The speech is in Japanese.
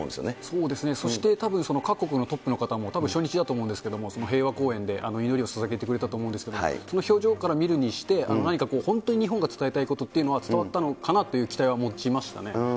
そうですね、そして多分、各国のトップの方もたぶん初日だと思うんですけど、平和公園で祈りをささげてくれたと思うんですけれども、その表情から見るにして、何かこう、本当に日本が伝えたいことっていうのは、伝わったのかなという期待は持ちましたね。